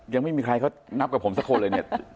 ยังไม่มีใครเขานับกับผมสักคนเลยเนี่ย